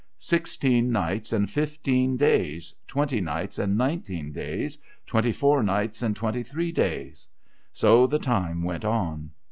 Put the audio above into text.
Sixteen nights and fifteen days, twenty nights and nineteen days, twenty four nights and twenty three days. So the time went on.